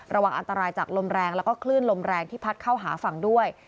ระวังอันตรายจากลมแรงแล้วก็คลื่นลมแรงที่พัดเข้าหาฝั่งด้วย